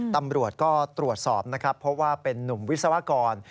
ตำรวจก็ตรวจสอบนะครับเพราะว่าเป็นนุ่มวิศวกร